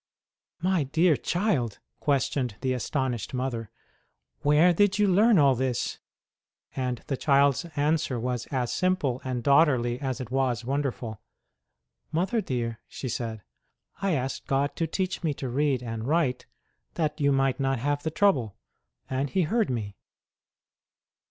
My dear child 1 questioned the astonished HER LOVE FOR ST. CATHERINE OF SIENA 55 mother, where did you learn all this ? And the child s answer was as simple and daughterly as it was wonderful : Mother dear, she said, I asked God to teach me to read and write, that you might not have the trouble and He heard me